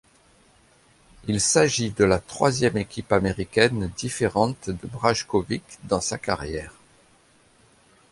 Il s'agit de la troisième équipe américaine différente de Brajkovic dans sa carrière.